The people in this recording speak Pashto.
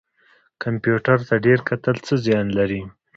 کمپیوټر ته ډیر کتل څه زیان لري؟